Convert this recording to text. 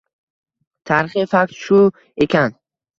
Tarixiy fakt shu ekan.